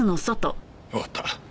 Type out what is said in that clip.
わかった。